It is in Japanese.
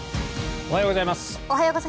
おはようございます。